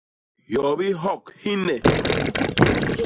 Hyobi hyok hi nne.